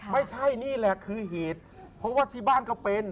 ไม่ใช่นี่แหละคือเหตุเพราะว่าที่บ้านก็เป็น